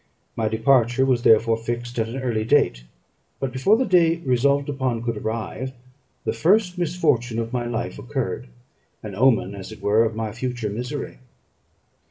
My departure was therefore fixed at an early date; but, before the day resolved upon could arrive, the first misfortune of my life occurred an omen, as it were, of my future misery.